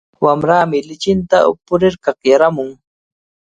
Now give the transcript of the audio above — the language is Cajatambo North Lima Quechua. Wamrami lichinta upurir kakyarimun.